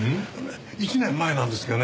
１年前なんですけどね